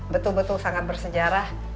betul betul sangat bersejarah